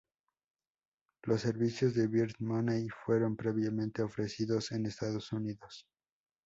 Los servicios de Virgin Money fueron previamente ofrecidos en Estados Unidos.